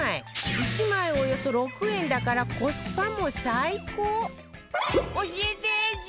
１枚およそ６円だからコスパも最高！